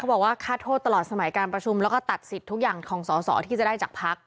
บอกว่าค่าโทษตลอดสมัยการประชุมแล้วก็ตัดสิทธิ์ทุกอย่างของสอสอที่จะได้จากพัก